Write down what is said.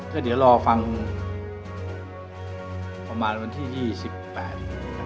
ก็เดี๋ยวรอฟังประมาณวันที่๒๘นะครับ